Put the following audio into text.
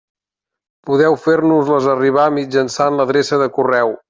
Podeu fer-nos-les arribar mitjançant l'adreça de correu.